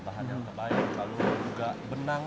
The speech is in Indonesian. bahan yang terbaik lalu juga benang